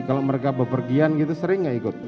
kalau mereka berpergian gitu sering nggak ikut